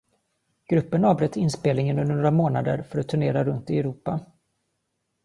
Gruppen avbröt inspelningen under några månader för att turnera runt i Europa.